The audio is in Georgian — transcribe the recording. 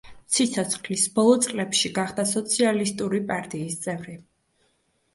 სიცოცხლის ბოლო წლებში გახდა სოციალისტური პარტიის წევრი.